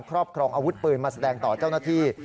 ครอบครองอาวุธปืนมาแสดงต่อเจ้าหน้าที่